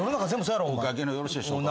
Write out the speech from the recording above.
お会計の方よろしいでしょうか？